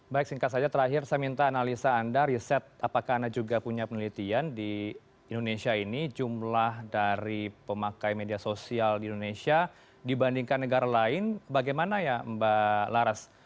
baik singkat saja terakhir saya minta analisa anda riset apakah anda juga punya penelitian di indonesia ini jumlah dari pemakai media sosial di indonesia dibandingkan negara lain bagaimana ya mbak laras